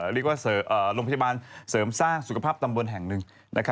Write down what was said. เรียกว่าโรงพยาบาลเสริมสร้างสุขภาพตำบลแห่งหนึ่ง